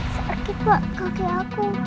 sakit pak kaki aku